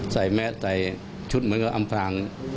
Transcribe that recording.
แม้ใส่ชุดเหมือนกับอำพลาง